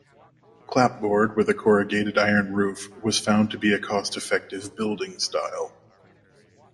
Clapboard, with a corrugated iron roof, was found to be a cost-effective building style.